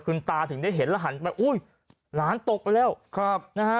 คุณตาถึงได้เห็นแล้วหันไปอุ้ยหลานตกไปแล้วครับนะฮะ